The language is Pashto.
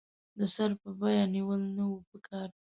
د سر په بیه نېول نه وو پکار.